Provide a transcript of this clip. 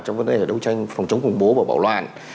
trong vấn đề đấu tranh phòng chống khủng bố và bạo loạn